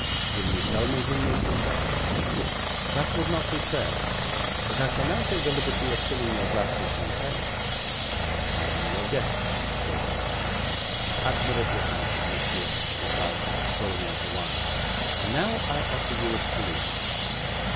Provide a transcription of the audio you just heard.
'Will you tell me whom you suspect?' 'That would not be fair, but I shall now take the liberty of filling your glass with champagne.' 'I am your guest, Mr. Dacre.' 'Admirably answered, monsieur,' he replied, pouring out the wine, 'and now I offer you a clue.